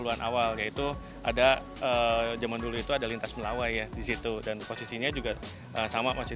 sembilan puluh an awal yaitu ada zaman dulu itu ada lintas melawe ya di situ dan posisinya juga sama masih